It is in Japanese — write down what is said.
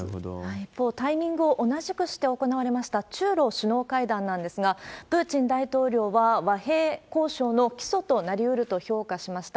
一方、タイミングを同じくして行われました中ロ首脳会談なんですが、プーチン大統領は、和平交渉の基礎となりうると評価しました。